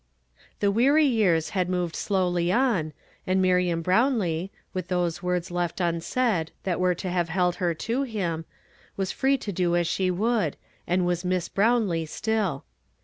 The A\eary years had moved slowly on, and Miriam IJrowidee, with those words left unsaid that >\('ro to have held her to him, was free to do as she would, and was Miss Brownlee still.